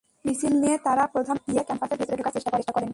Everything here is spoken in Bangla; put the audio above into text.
মিছিল নিয়ে তাঁরা প্রধান ফটক দিয়ে ক্যাম্পাসের ভেতরে ঢোকার চেষ্টা করেন।